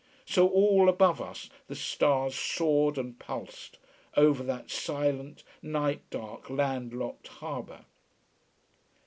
So all above us the stars soared and pulsed, over that silent, night dark, land locked harbour.